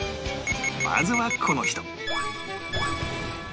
まずはこの人